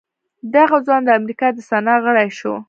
دغه ځوان د امريکا د سنا غړی شو.